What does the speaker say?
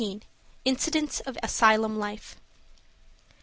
INCIDENTS OF ASYLUM LIFE.